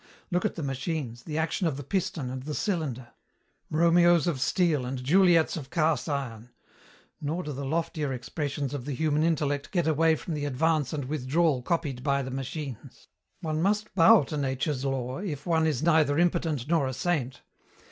Look at the machines, the action of the piston and the cylinder; Romeos of steel and Juliets of cast iron. Nor do the loftier expressions of the human intellect get away from the advance and withdrawal copied by the machines. One must bow to nature's law if one is neither impotent nor a saint.